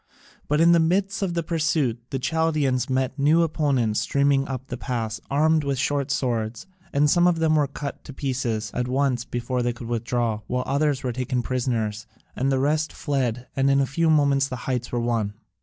But in the midst of the pursuit the Chaldaeans met new opponents streaming up the pass, armed with short swords, and some of them were cut to pieces at once before they could withdraw, while others were taken prisoners and the rest fled, and in a few moments the heights were won.